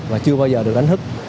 và chưa bao giờ được ánh hức